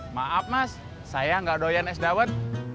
maaf mas saya nggak doyan es dawet